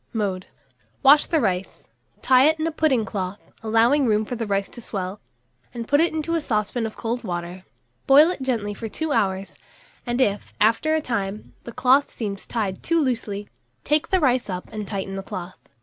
Mode. Wash the rice, tie it in a pudding cloth, allowing room for the rice to swell, and put it into a saucepan of cold water; boil it gently for 2 hours, and if, after a time, the cloth seems tied too loosely, take the rice up and tighten the cloth.